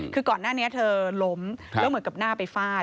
คือก่อนหน้านี้เธอล้มแล้วเหมือนกับหน้าไปฟาด